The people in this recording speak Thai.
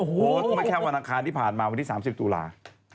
โฟสมันแค่วันอันคารที่ผ่านมาวันนี้๓๐จุลา